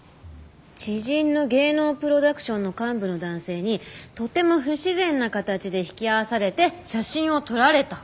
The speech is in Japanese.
「知人の芸能プロダクションの幹部の男性にとても不自然な形で引き合わされて写真を撮られた」。